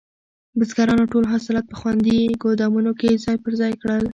بزګرانو ټول حاصلات په خوندي ګودامونو کې ځای پر ځای کړل.